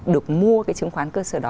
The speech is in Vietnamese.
được mua cái chứng khoán cơ sở đó